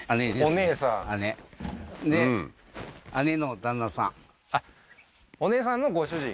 お姉さん姉で姉の旦那さんお姉さんのご主人？